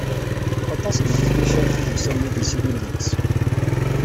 Aṭas n leqdicat idelsanen i d-yettilin deg-s.